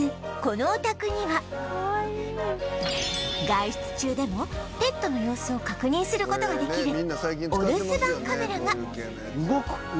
外出中でもペットの様子を確認する事ができるお留守番カメラが